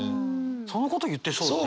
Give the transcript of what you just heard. そのこと言ってそうだね。